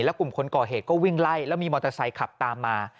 กลุ่มคนก่อเหตุก็วิ่งไล่แล้วมีมอเตอร์ไซค์ขับตามมา